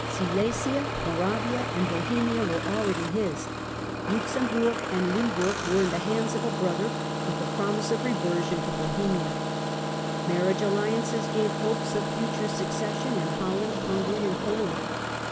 Silesia, Moravia, and Bohemia were already his. Luxemburg and Limburg were in the hands of a brother, with the promise of reversion to Bohemia. Marriage alliances gave hopes of future succession in Holland, Hungary and Poland.